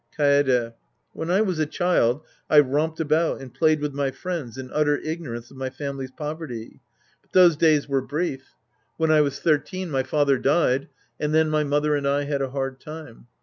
Kaede. When I was a child, I romped about and played with my friends in utter ignorance of my family's poverty. But those days were brief. When Sc. I The Priest and His Disciples 147 I was thirteen, my father died, and then my mother and I had a hard time.